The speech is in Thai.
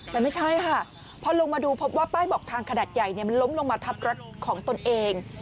แต่ไม่ใช่ค่ะพอลงมาดูพบว่าป้ายบอกทางขนาดใหญ่มันล้มลงมาทับรถของตนเอง